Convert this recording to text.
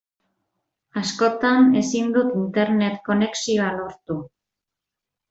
Askotan ezin dut Internet konexioa lortu.